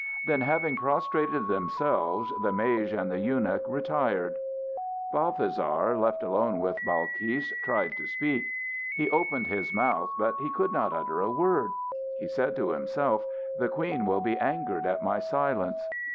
Then, having prostrated themselves, the mage and the eunuch retired. Balthasar, left alone with Balkis, tried to speak; he opened his mouth but he could not utter a word. He said to himself, "The queen will be angered at my silence."